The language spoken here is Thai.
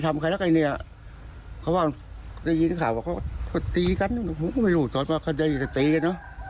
แต่อันนี้คือมาตายจากกันเพราะว่าเล่า